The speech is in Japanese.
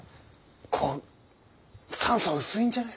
ここ酸素薄いんじゃね？